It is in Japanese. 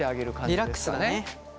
リラックスだね。